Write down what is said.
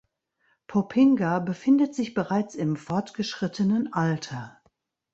Popinga befindet sich bereits im fortgeschrittenen Alter.